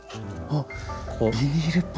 あっビニールっぽい？